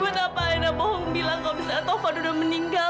buat apa alena bohong bilang kalau bisa taufan udah meninggal